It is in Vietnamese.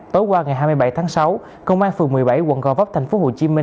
tối qua ngày hai mươi bảy tháng sáu công an phường một mươi bảy quận gò vấp tp hcm